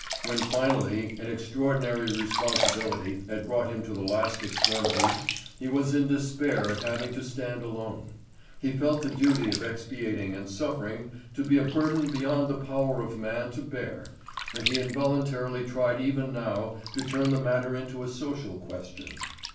When finally an extraordinary responsibility had brought him to the last extremity, he was in despair at having to stand alone; he felt the duty of expiating and suffering to be a burden beyond the power of man to bear, and he involuntarily tried even now to turn the matter into a social question.